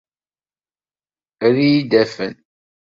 Ad iyi-d-afen.